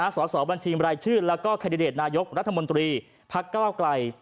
สอบบัญชีรายชื่อแล้วก็แคนดิเดตนายกรัฐมนตรีพักก้าวไกล